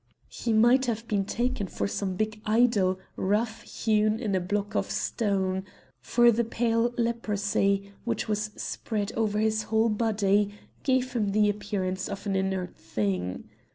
He might have been taken for some big idol rough hewn in a block of stone; for a pale leprosy, which was spread over his whole body, gave him the appearance of an inert thing.